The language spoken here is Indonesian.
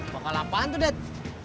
pokoknya apaan tuh det